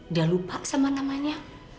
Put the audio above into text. dia lupa sama namanya